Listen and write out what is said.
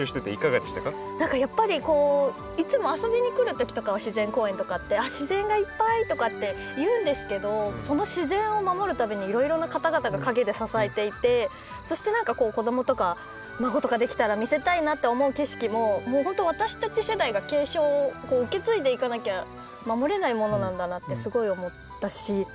何かやっぱりこういつも遊びにくるときとかは自然公園とかって「自然がいっぱい」とかって言うんですけどその自然を守るためにいろいろな方々が陰で支えていてそして何かこう子どもとか孫とか出来たら見せたいなって思う景色も本当私たち世代が継承受け継いでいかなきゃ守れないものなんだなってすごい思ったし。